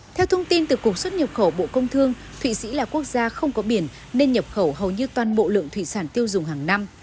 theo thông tin từ cục xuất nhập khẩu bộ công thương thụy sĩ là quốc gia không có biển nên nhập khẩu hầu như toàn bộ lượng thủy sản tiêu dùng hàng năm